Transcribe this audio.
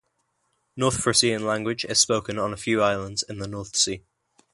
North Frisian language is spoken on a few islands in the North Sea.